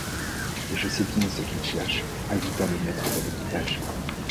Et je sais bien ce qu’ils cherchent !… ajouta le maître de l’équipage.